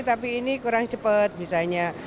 tapi ini kurang cepat misalnya